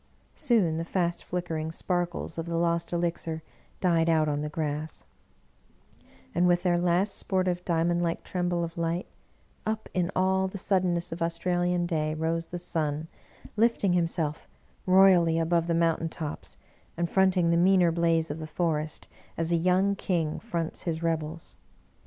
Soon the fast flickering sparkles of the lost elixir died out on the grass ; and with their last sportive diamond like tremble of light, up, in all the suddenness of Australian day, rose the sun, lifting himself royally above th^ mountain tops, and front ing the meaner blaze of the forest as a young king fronts his rebels.